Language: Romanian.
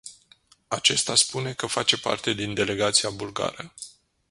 Acesta spune că face parte din delegația bulgară.